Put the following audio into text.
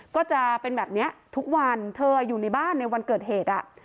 ก็จะเป็นแบบนี้ทุกวันเธออยู่ในบ้านในวันเกิดเหตุอ่ะ